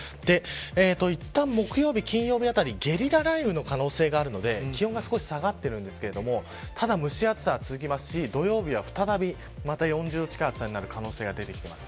いったん木曜日、金曜日あたりゲリラ雷雨の可能性があるので気温が少し下がってるんですけどただ、蒸し暑さは続きますし土曜日は再び４０度近い暑さになる可能性が出てきます。